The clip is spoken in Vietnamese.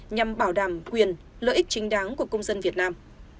nhằm bảo đảm quyền lợi ích chính đáng của công dân việt nam